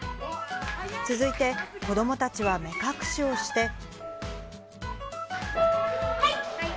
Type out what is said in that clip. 続いて、子どもたちは目隠しをして。